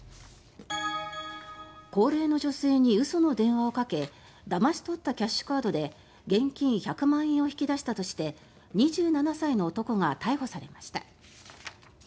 高齢の女性に嘘の電話をかけだまし取ったキャッシュカードで現金１００万円を引き出したとして２７歳の男が逮捕されました。